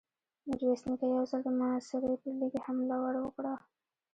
ميرويس نيکه يو ځل د محاصرې پر ليکې حمله ور وړه.